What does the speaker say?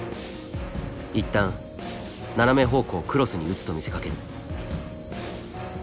いったん斜め方向クロスに打つと見せかける。